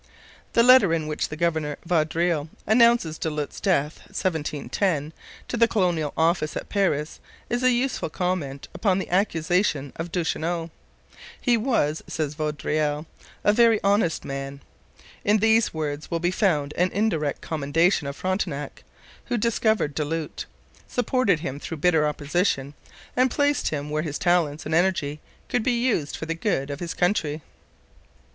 The letter in which the governor Vaudreuil announces Du Lhut's death (1710) to the Colonial Office at Paris is a useful comment upon the accusations of Duchesneau. 'He was,' says Vaudreuil, 'a very honest man.' In these words will be found an indirect commendation of Frontenac, who discovered Du Lhut, supported him through bitter opposition, and placed him where his talents and energy could be used for the good of his country.